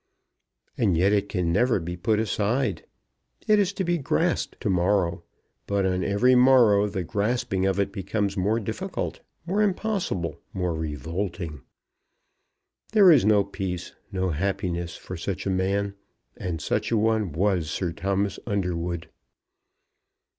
And yet it can never be put aside. It is to be grasped to morrow, but on every morrow the grasping of it becomes more difficult, more impossible, more revolting. There is no peace, no happiness for such a man; and such a one was Sir Thomas Underwood.